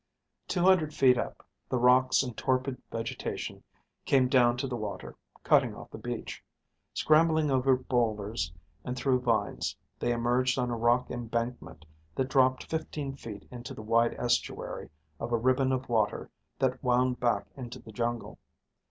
Two hundred feet up, the rocks and torpid vegetation came down to the water, cutting off the beach. Scrambling over boulders and through vines, they emerged on a rock embankment that dropped fifteen feet into the wide estuary of a ribbon of water that wound back into the jungle.